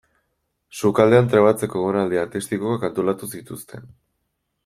Sukaldean trebatzeko egonaldi artistikoak antolatu zituzten.